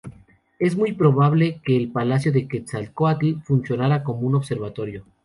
Es muy probable que el Palacio de Quetzalcoatl funcionara como un observatorio.